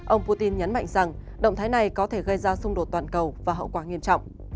ông putin nhấn mạnh rằng động thái này có thể gây ra xung đột toàn cầu và hậu quả nghiêm trọng